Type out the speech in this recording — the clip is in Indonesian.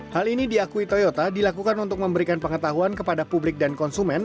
hal ini diakui toyota dilakukan untuk memberikan pengetahuan kepada publik dan konsumen